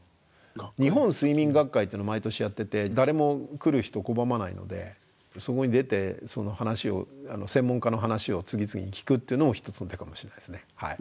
日本睡眠学会っての毎年やってて誰も来る人拒まないのでそこに出て話を専門家の話を次々に聞くっていうのも一つの手かもしれないですね。